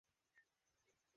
এখানে যে রুম নিছিলি ভাড়া?